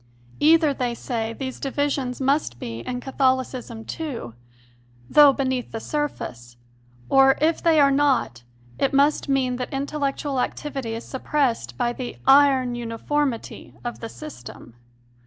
Either, they say, these divisions must be in Catholicism too, though beneath the surface, or, if they are not, it must mean that intellectual activity is suppressed by the "iron uniformity" of the system.